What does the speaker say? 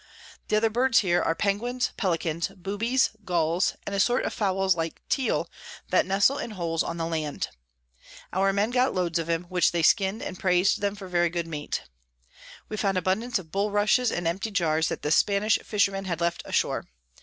The other Birds here are Penguins, Pellicans, Boobys, Gulls, and a sort of Fowls like Teal, that nestle in holes on the Land. Our Men got Loads of 'em, which they skin'd, and prais'd them for very good Meat. We found abundance of Bull Rushes and empty Jars that the Spanish Fishermen had left ashore.